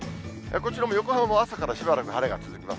こちらも横浜も朝からしばらく晴れが続きます。